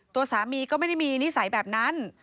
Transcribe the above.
ตัวสามีก็ไม่ได้มีนิสัยแบบนั้น